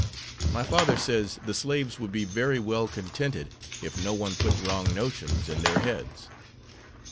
My father says the slaves would be very well contented if no one put wrong notions in their heads."